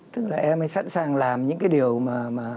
tức là em ấy sẵn sàng làm những cái điều mà